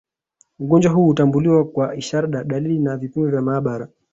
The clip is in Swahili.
Ugonjwa huu hutambuliwa kwa ishara dalili na vipimo vya maabara